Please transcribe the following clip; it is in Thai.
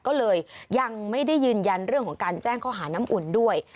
ก็เลยยังไม่ได้ยืนยันเรื่องของการแจ้งข้อหาน้ำอุ่นด้วย